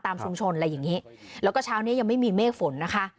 ชุมชนอะไรอย่างนี้แล้วก็เช้านี้ยังไม่มีเมฆฝนนะคะ